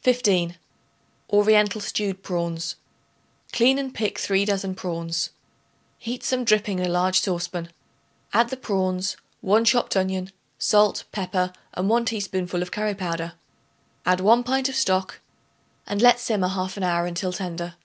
15. Oriental Stewed Prawns. Clean and pick 3 dozen prawns. Heat some dripping in a large saucepan; add the prawns, 1 chopped onion, salt, pepper and 1 teaspoonful of curry powder. Add 1 pint of stock and let simmer half an hour until tender.